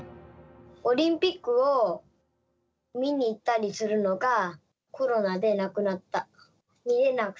オリンピックを見に行ったりするのが、コロナでなくなった。